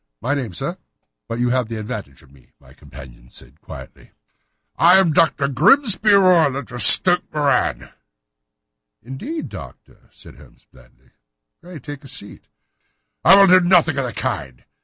"My name, sir; but you have the advantage of me," said my companion quietly. "I am Dr. Grimesby Roylott, of Stoke Moran." "Indeed, Doctor," said Holmes blandly. "Pray take a seat." "I will do nothing of the kind.